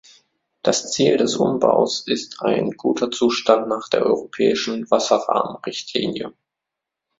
Das Ziel des Umbaus ist ein guter Zustand nach der Europäischen Wasserrahmenrichtlinie.